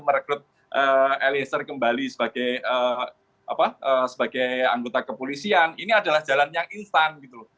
menurut eliezer kembali sebagai anggota kepolisian ini adalah jalan yang instan